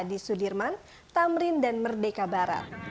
di sudirman tamrin dan merdeka barat